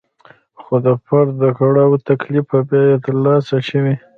خو د فرد د کړاو او تکلیف په بیه ترلاسه شوې.